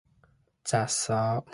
Tsasah